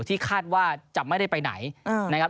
ที่คาดว่าจะไม่ได้ไปไหนนะครับ